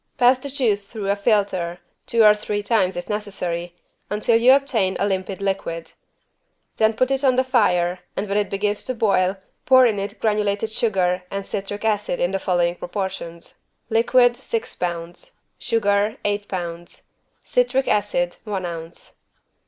Pass the juice through a filter, two or three times if necessary, until you obtain a limpid liquid. Then put it on the fire and when it begins to boil pour in it granulated sugar and citric acid in the following proportions: Liquid, six pounds. Sugar, eight pounds. Citric acid, one ounce.